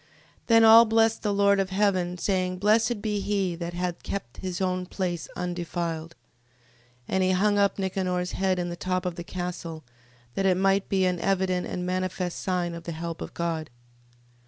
15:34. Then all blessed the Lord of heaven, saying: Blessed be he that hath kept his own place undefiled. 15:35. And he hung up Nicanor's head in the top of the castle, that it might be an evident and manifest sign of the help of God.